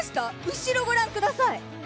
後ろご覧ください。